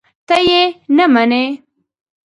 ته یې منې؟!